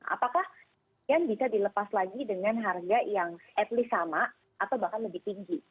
apakah yang bisa dilepas lagi dengan harga yang at least sama atau bahkan lebih tinggi